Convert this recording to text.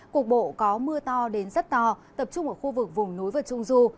cục bộ có mưa to đến rất to tập trung ở khu vực vùng núi và trung du